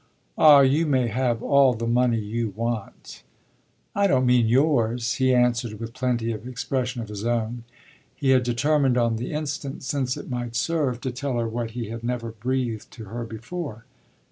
"Ah you may have all the money you want!" "I don't mean yours," he answered with plenty of expression of his own. He had determined on the instant, since it might serve, to tell her what he had never breathed to her before.